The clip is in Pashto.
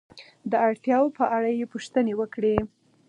د اړتیاو په اړه یې پوښتنې وکړئ.